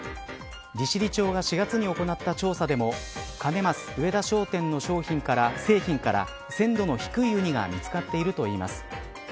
利尻町が４月に行った調査でもカネマス上田商店の製品から鮮度の低いウニが見つかっているといいます。